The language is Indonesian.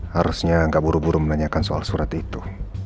harusnya nggak buru buru menanyakan soal surat itu